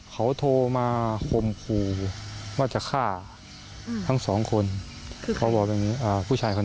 เขาโทรมาคมคู่ว่าจะฆ่าทั้งสองคนเขาบอกแบบนี้ผู้ชายคนนี้